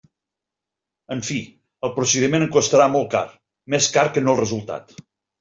En fi, el procediment em costarà molt car, més car que no el resultat.